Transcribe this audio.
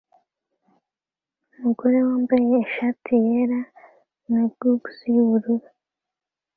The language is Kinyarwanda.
Umugore wambaye ishati yera na goggles yubururu